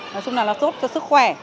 nói chung là nó giúp cho sức khỏe